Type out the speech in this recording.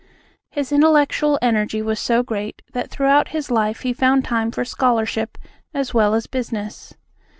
His intellectual energy was so great that throughout his life he found time for scholarship as well as business.